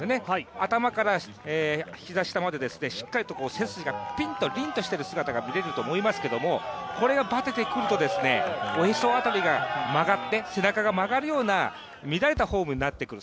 頭から膝下までしっかりと背筋がピンと、りんとした姿が見えると思いますけどもこれがバテてくると、おへそ辺りが曲がって背中が曲がるような乱れたフォームになってくる。